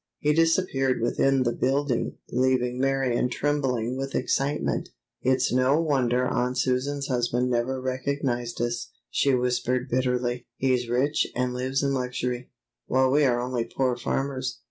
He disappeared within the building, leaving Marion trembling with excitement. "It's no wonder Aunt Susan's husband never recognized us," she whispered bitterly. "He's rich and lives in luxury, while we are only poor farmers.